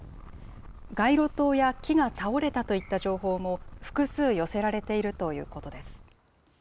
街路灯や木が倒れたといった情報も複数寄せられているということです。